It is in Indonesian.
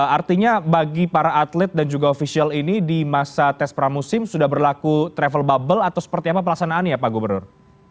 artinya bagi para atlet dan juga ofisial ini di masa tes pramusim sudah berlaku travel bubble atau seperti apa pelaksanaannya pak gubernur